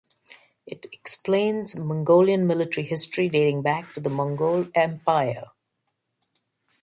It explains Mongolian military history dating back to the Mongol Empire.